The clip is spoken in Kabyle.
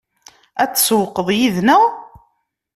Ad tsewwqeḍ yid-neɣ?